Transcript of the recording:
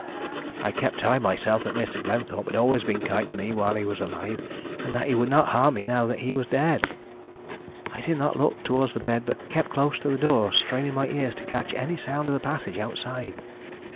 I kept telling myself that Mr. Glenthorpe had always been kind to me while he was alive, and that he would not harm me now that he was dead. I did not look towards the bed, but kept close to the door, straining my ears to catch any sound in the passage outside.